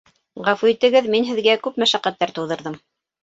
Ғәфү итегеҙ, мин һеҙгә күп мәшәҡәттәр тыуҙырҙым